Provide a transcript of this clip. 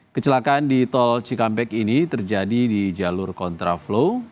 kecelakaan di tol cikampek ini terjadi di jalur kontraflow